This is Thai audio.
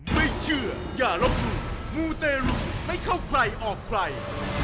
ไม่เชื่ออย่าลบหลู่มูเตรุไม่เข้าใครออกใคร